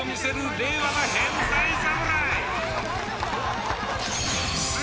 令和の変態侍。